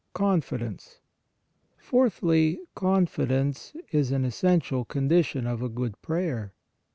CONFIDENCE. Fourthly, confidence is an es sential condition of a good prayer.